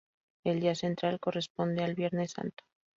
El día central corresponde al Viernes Santo.